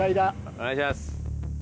お願いします。